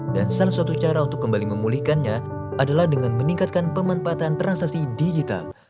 dan salah satu cara untuk kembali memulihkannya adalah dengan meningkatkan pemanfaatan transaksi digital